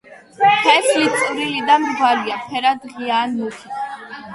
თესლი წვრილი და მრგვალია, ფერად ღია ან მუქი.